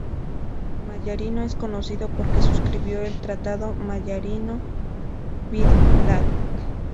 Mallarino es conocido porque suscribió el Tratado Mallarino-Bidlack.